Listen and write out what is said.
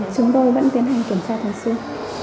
chúng tôi vẫn tiến hành kiểm tra thường xuyên